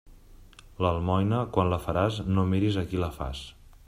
L'almoina, quan la faràs, no miris a qui la fas.